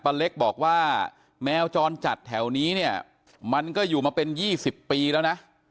เล็กบอกว่าแมวจรจัดแถวนี้เนี่ยมันก็อยู่มาเป็น๒๐ปีแล้วนะ